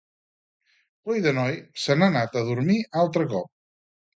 Coi de noi, se n'ha anat a dormir un altre cop.